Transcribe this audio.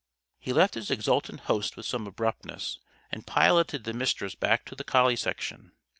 He left his exultant host with some abruptness, and piloted the Mistress back to the Collie Section.